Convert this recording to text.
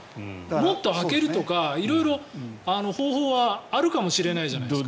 もっと空けるとか色々、方法はあるかもしれないじゃないですか。